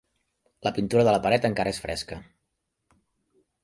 La pintura de la paret encara és fresca.